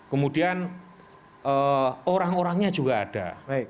kemudian orang orangnya juga ada